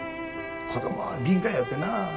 子供は敏感やよってな。